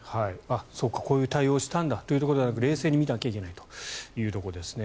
こういう対応をしたんだということではなくて冷静に見なければいけないということですね。